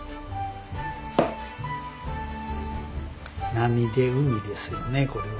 波で海ですよねこれは。